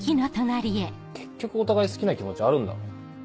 結局お互い好きな気持ちあるんだろ？